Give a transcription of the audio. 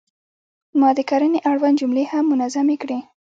ما د کرنې اړوند جملې هم منظمې کړې.